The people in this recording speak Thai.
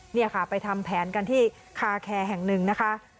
นี่ค่ะไปทำแผนกันที่คาแคร์แห่งหนึ่งนะคะ